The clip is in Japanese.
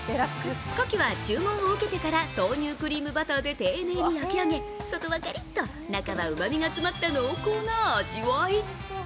かきは注文を受けてから豆乳クリームバターで丁寧に焼き上げ、外はカリッと中はうまみが詰まった濃厚な味わい。